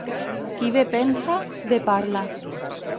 Qui bé pensa, bé parla.